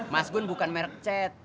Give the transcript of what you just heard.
mas gun bukan merk chat